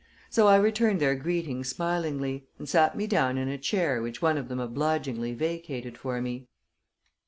So I returned their greeting smilingly, and sat me down in a chair which one of them obligingly vacated for me.